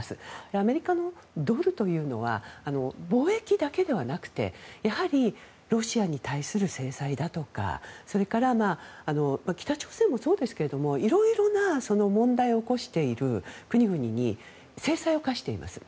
アメリカのドルというのは貿易だけではなくてやはりロシアに対する制裁だとかそれから、北朝鮮もそうですけど色々な問題を起こしている国々に制裁を科しています。